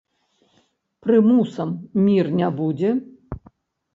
Прымусам мір не будзе?